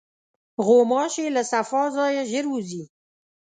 غوماشې له صفا ځایه ژر وځي.